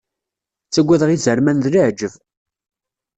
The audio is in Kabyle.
Ttagadeɣ izerman d leεǧab.